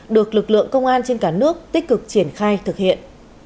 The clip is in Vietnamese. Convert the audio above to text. được lực lượng công an trên cả nước tích cực triển khai thực hiện